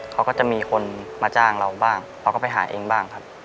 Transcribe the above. เขาก็จะมีคนมาจ้างเราบ้างเขาก็ไปหาเองบ้างครับ